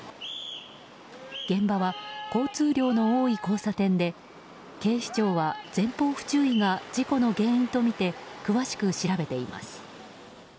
現場は交通量の多い交差点で警視庁は前方不注意が事故の原因とみて詳しく調べています。